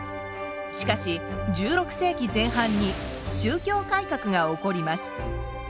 しかし１６世紀前半に宗教改革が起こります。